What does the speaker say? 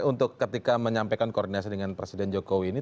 untuk ketika menyampaikan koordinasi dengan presiden jokowi ini